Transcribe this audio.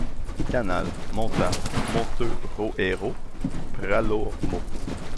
Canale, Montà, Monteu Roero, Pralormo.